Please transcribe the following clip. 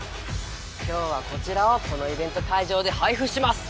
今日はこちらをこのイベント会場で配布します！